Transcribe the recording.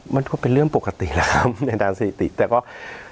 มันก็เป็นเรื่องปกติแล้วครับในด้านสถิติแต่ก็